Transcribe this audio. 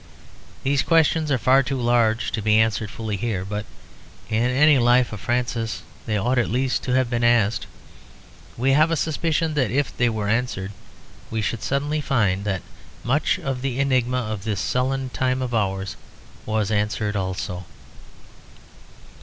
These questions are far too large to be answered fully here, but in any life of Francis they ought at least to have been asked; we have a suspicion that if they were answered, we should suddenly find that much of the enigma of this sullen time of ours was answered also.